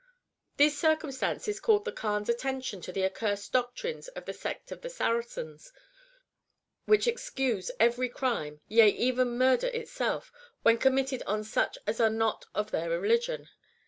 * These circumstances called the Kaan's attention to the accursed doctrines of the Sect of the Saracens, which excuse every crime, yea even murder itself, when com mitted on such as are not of their religion.